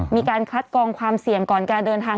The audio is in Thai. มีการคัดกองความเสี่ยงก่อนการเดินทาง